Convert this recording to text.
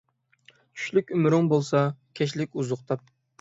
چۈشلۈك ئۆمرۈڭ بولسا، كەچلىك ئوزۇق تاپ.